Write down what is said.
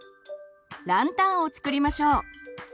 ランタンを作りましょう。